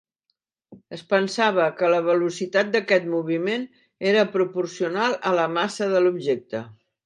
Es pensava que la velocitat d'aquest moviment era proporcional a la massa de l'objecte.